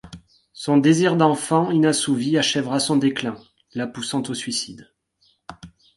Son désir d'enfant inassouvi achèvera son déclin, la poussant au suicide.